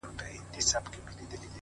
• په تور یې د پردۍ میني نیولی جهاني یم ,